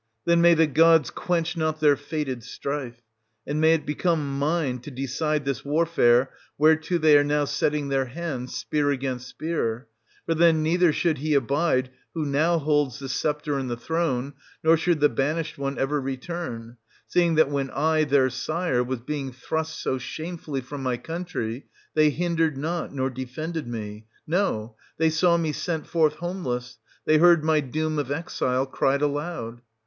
Then may the gods quench not their fated strife, and may it become mine to decide this warfare whereto they are now setting their hands, spear against spear ! For then neither should he abide who now holds the sceptre and the throne, nor should the banished one ever return ; seeing that when I, their sire, was being thrust so shamefully from my country, they hindered not, nor defended me ; no, they saw me sent forth' 430 homeless, they heard my doom of exile cried aloud.